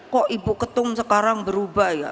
kok ibu ketum sekarang berubah ya